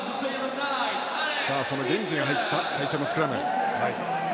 ゲンジが入った最初のスクラム。